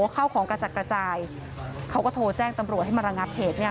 ข้าวของกระจักรจ่ายเขาก็โทรแจ้งตำรวจให้มารังงับเหตุ